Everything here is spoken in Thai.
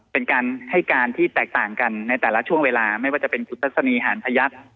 เป็นการให้การที่แตกต่างกันในแต่ละช่วงเวลาไม่ว่าจะเป็นคุณทัศนีหานพยักษ์